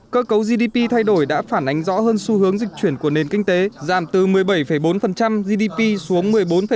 cơ cấu gdp thay đổi đã phản ánh rõ hơn xu hướng dịch chuyển của nền kinh tế giảm từ một mươi bảy bốn gdp xuống một mươi bốn năm